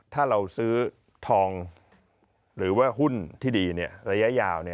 ถ้าเราซื้อทองหรือว่าหุ้นที่ดีระยะยาว